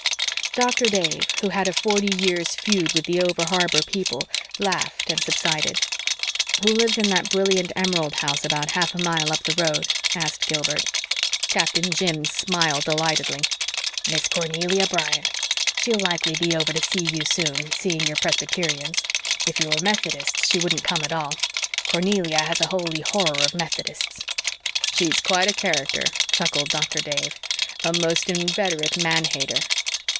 Doctor Dave, who had a forty years' feud with the over harbor people, laughed and subsided. "Who lives in that brilliant emerald house about half a mile up the road?" asked Gilbert. Captain Jim smiled delightedly. "Miss Cornelia Bryant. She'll likely be over to see you soon, seeing you're Presbyterians. If you were Methodists she wouldn't come at all. Cornelia has a holy horror of Methodists." "She's quite a character," chuckled Doctor Dave. "A most inveterate man hater!"